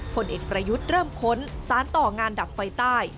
ผลเอกประยุทธ์เริ่มค้นสารต่องานดับไฟใต้